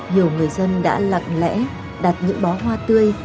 nhiều người dân đã lặng lẽ đặt những bó hoa tươi